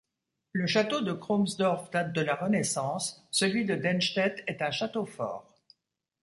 Le château de Kromsdorf date de la Renaissance, celui de Denstedt est un château-fort.